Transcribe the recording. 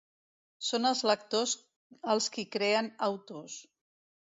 "Són els lectors els qui creen autors.